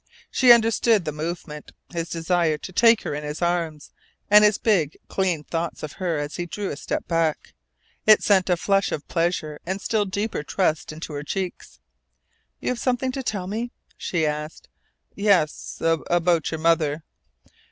She understood the movement, his desire to take her in his arms, and his big, clean thoughts of her as he drew a step back. It sent a flush of pleasure and still deeper trust into her cheeks. "You have something to tell me?" she asked. "Yes about your mother."